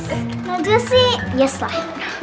injil sih yes lah